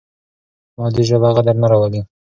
مادي ژبه غدر نه راولي.